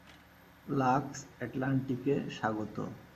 Lux এটলান্টিকে স্বাগত।